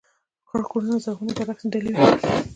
خړ کورونه زرغونې درختي دلې وې